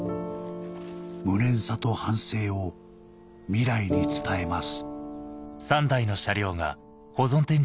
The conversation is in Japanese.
無念さと反省を未来に伝えます